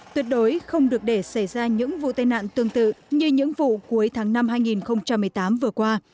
tuyệt đối không được để xảy ra những vụ tai nạn tương tự như những vụ cuối tháng năm hai nghìn một mươi tám vừa qua